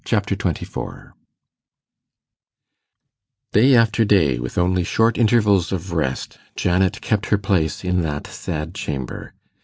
Chapter 24 Day after day, with only short intervals of rest, Janet kept her place in that sad chamber.